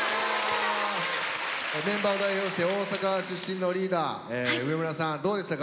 メンバーを代表して大阪出身のリーダー植村さんどうでしたか？